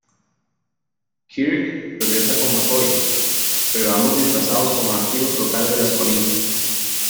Kirk regresa con McCoy, pero ambos disfrazados como nativos locales de las colinas.